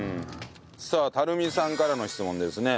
さあ垂水さんからの質問ですね。